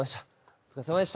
お疲れさまでした。